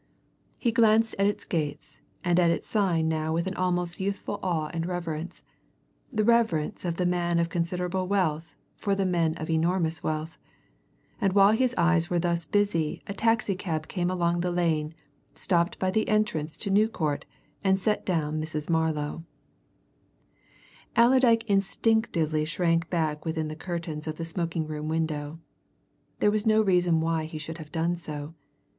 He glanced at its gates and at its sign now with an almost youthful awe and reverence the reverence of the man of considerable wealth for the men of enormous wealth and while his eyes were thus busy a taxi cab came along the Lane, stopped by the entrance to New Court, and set down Mrs. Marlow. Allerdyke instinctively shrank back within the curtains of the smoking room window. There was no reason why he should have done so.